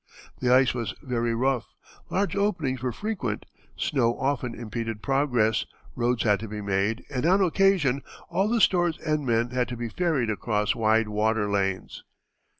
The ice was very rough, large openings were frequent, snow often impeded progress, roads had to be made, and on occasion all the stores and men had to be ferried across wide water lanes.